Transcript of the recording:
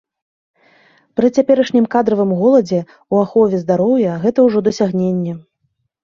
Пры цяперашнім кадравым голадзе ў ахове здароўя гэта ўжо дасягненне.